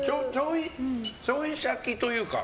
ちょいシャキというか。